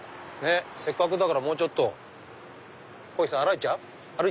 せっかくだからもうちょっとこひさん歩いちゃう？